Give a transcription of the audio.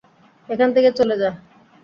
এখান থেকে চলে যা।